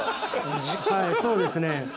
はいそうですね。